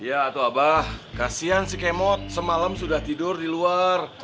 iya tuh abah kasihan si kemot semalam sudah tidur di luar